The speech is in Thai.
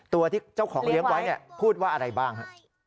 ตัวที่เจ้าของเลี้ยงไว้พูดว่าอะไรบ้าง